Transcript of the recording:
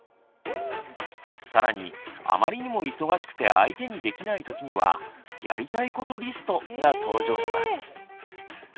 更にあまりにも忙しくて相手にできないときには「やりたいことリスト」が登場します。